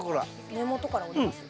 根元から折ります？